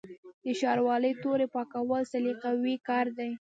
د شاروالۍ تورې پاکول سلیقوي کار دی.